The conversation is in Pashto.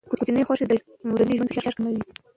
کوچني خوښۍ د ورځني ژوند فشار کموي.